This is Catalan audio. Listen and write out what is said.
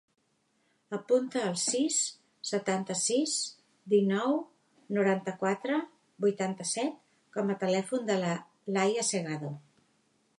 Apunta el sis, setanta-sis, dinou, noranta-quatre, vuitanta-set com a telèfon de la Laia Segado.